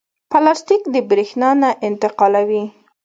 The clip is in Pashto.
پلاستیک برېښنا نه انتقالوي.